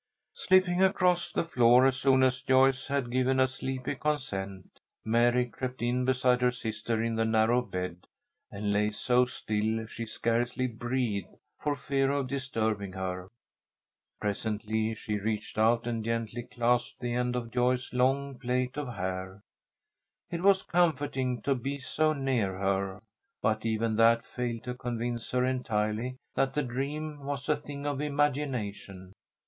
Slipping across the floor as soon as Joyce had given a sleepy consent, Mary crept in beside her sister in the narrow bed, and lay so still she scarcely breathed, for fear of disturbing her. Presently she reached out and gently clasped the end of Joyce's long plait of hair. It was comforting to be so near her. But even that failed to convince her entirely that the dream was a thing of imagination.